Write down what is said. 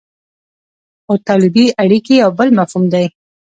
خو تولیدي اړیکې یو بل مفهوم دی.